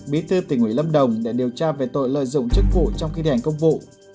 bí thư tỉnh ủy lâm đồng để điều tra về tội lợi dụng chức vụ trong khi thi hành công vụ